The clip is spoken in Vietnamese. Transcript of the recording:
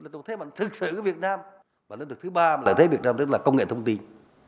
thế mạnh thực sự ở việt nam và lựa chọn thứ ba là thế mạnh ở việt nam đó là công nghệ thông tin